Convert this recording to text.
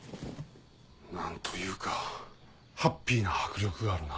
何というかハッピーな迫力があるな。